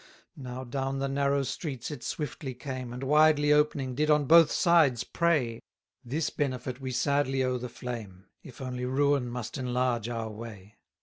277 Now down the narrow streets it swiftly came, And widely opening did on both sides prey: This benefit we sadly owe the flame, If only ruin must enlarge our way.